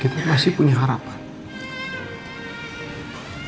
kita masih punya harapan